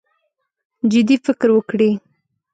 جدي فکر وکړي.